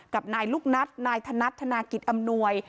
กับนายลูกนัทนายธนัดธนากิจอำนวย